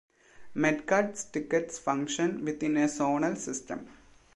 Metcard tickets function within a zonal system.